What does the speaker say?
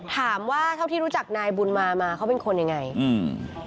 ถามว่าเท่าที่รู้จักนายบุญมามาเขาเป็นคนยังไงอืม